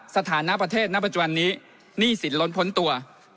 สถานะประเทศณปัจจุบันนี้หนี้สินล้นพ้นตัว